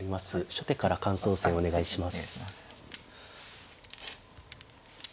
初手から感想戦をお願いします。